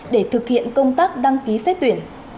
để thực hiện công tác đăng ký xếp tuyển